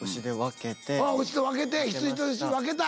牛と分けて羊と牛分けた。